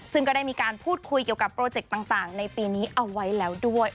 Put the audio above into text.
ซึ่งก็ได้มีการพูดคุยเกี่ยวกับโปรเจกต์ต่างในปีนี้เอาไว้แล้วด้วย